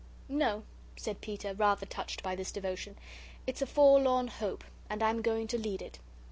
"No," said Peter, rather touched by this devotion; "it's a forlorn hope, and I'm going to lead it.